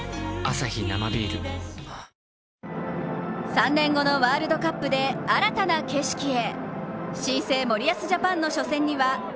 ３年後のワールドカップで新たな景色へ。